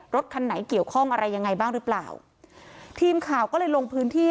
รถคันไหนเกี่ยวข้องอะไรยังไงบ้างหรือเปล่าทีมข่าวก็เลยลงพื้นที่